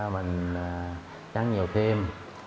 mình tráng nhiều thêm